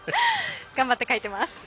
頑張って描いています。